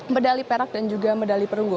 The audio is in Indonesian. medali perak dan juga medali perunggu